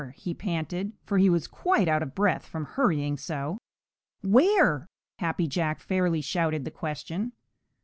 he panted, for he was quite out of breath from hurrying so. "Where?" Happy Jack fairly shouted the question.